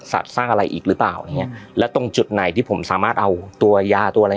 สร้างอะไรอีกหรือเปล่าอย่างเงี้ยและตรงจุดไหนที่ผมสามารถเอาตัวยาตัวอะไร